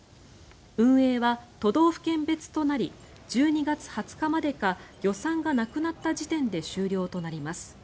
運営は都道府県別となり１２月２０日までか予算がなくなった時点で終了となります。